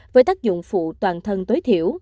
với tác dụng phụ toàn bộ